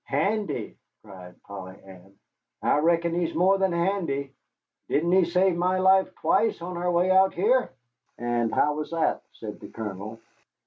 "Handy!" cried Polly Ann, "I reckon he's more than handy. Didn't he save my life twice on our way out here?" "And how was that?" said the Colonel.